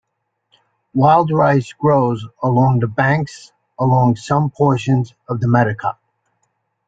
Wild rice grows along the banks along some portions of the Metedeconk.